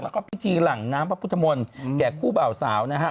แล้วก็พิธีหลังน้ำพระพุทธมนต์แก่คู่บ่าวสาวนะฮะ